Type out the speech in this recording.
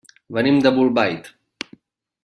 Venim de Bolbait.